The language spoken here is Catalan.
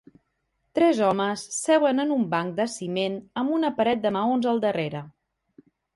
Tres homes seuen en un banc de ciment amb una paret de maons al darrere